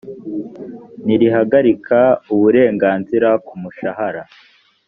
ntirihagarika uburenganzira ku mushahara